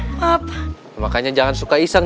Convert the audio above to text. happ makanya jangan suka iseng